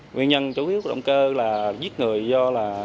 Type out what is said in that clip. nguyên nhân chủ yếu của động cơ là giết người do là